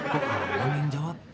kok orang orang yang jawab